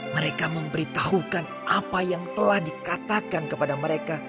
mereka memberitahukan apa yang telah dikatakan kepada mereka